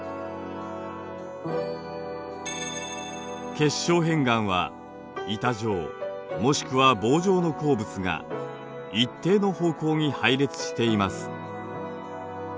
結晶片岩は板状もしくは棒状の鉱物が一定の方向に配列しています。